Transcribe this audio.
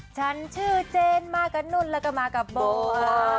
ฉันชื่อเจนมากันนุฬแล้วก็มากับเบอร์